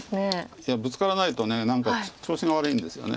いやブツカらないと何か調子が悪いんですよね。